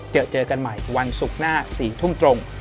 เจอเจอกันใหม่วันศุกร์หน้า๔ทุ่มตรง